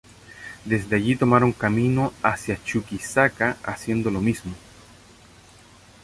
Desde allí tomaron camino hacia Chuquisaca, haciendo lo mismo.